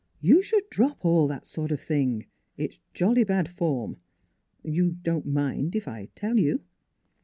You should drop all that sort of thing. It's jolly bad form. You don't mind if I tell you?"